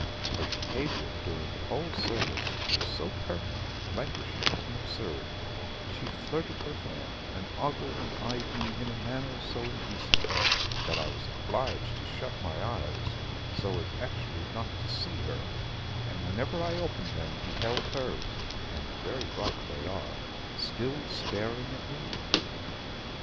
Her behavior during the whole service was so pert, languishing, and absurd; she flirted her fan, and ogled and eyed me in a manner so indecent, that I was obliged to shut my eyes, so as actually not to see her, and whenever I opened them beheld hers (and very bright they are) still staring at me.